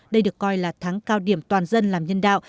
đây được coi là tháng cao điểm toàn dân làm nhân đạo